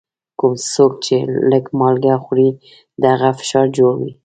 کوم څوک چي لږ مالګه خوري، د هغه فشار جوړ وي.